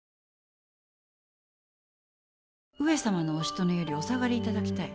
上様のおしとねよりお下がり頂きたい。